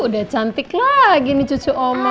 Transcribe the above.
udah cantik lagi nih cucu oma